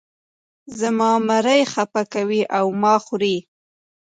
زما مرۍ خپه کوې او ما خورې.